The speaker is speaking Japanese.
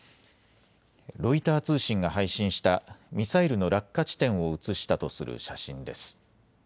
ロイター通信が配信したミサイルの落下地点を映したとする写真です。